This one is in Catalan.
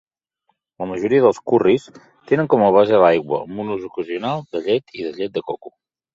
La majoria dels curris tenen com a base l'aigua, amb un ús ocasional de llet i de llet de coco.